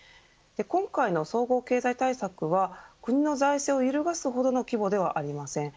今回の総合経済対策は国の財政を揺るがすほどの規模ではありません。